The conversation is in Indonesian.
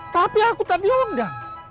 tapi aku tak bilang dah